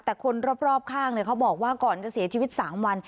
แต่คนรอบข้างเขาบอกว่าก่อนจะเสียชีวิต๓วัน